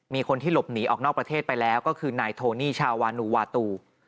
มีคนที่หลบหนีออกนอกประเทศไปแล้วก็คือนายโทนี่ชาวานูวาตู